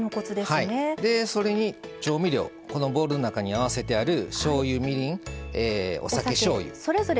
それに調味料、ボウルの中に合わせてある、しょうゆみりん、お酒。